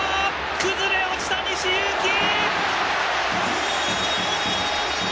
崩れ落ちた西勇輝！